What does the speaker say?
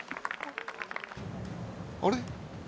あれ？